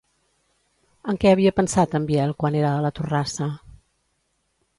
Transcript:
En què havia pensat en Biel quan era a la torrassa?